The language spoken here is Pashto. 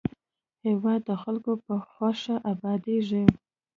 هېواد د خلکو په خوښه ابادېږي.